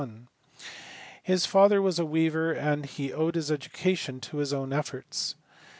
His father was a weaver and he owed his education to his own efforts.